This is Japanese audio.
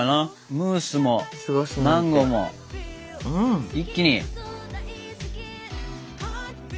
ムースもマンゴーも一気に。